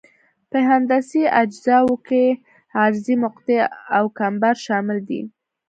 په هندسي اجزاوو کې عرضي مقطع او کمبر شامل دي